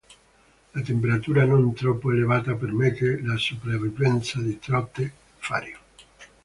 La temperatura non troppo elevata permette la sopravvivenza di trote fario.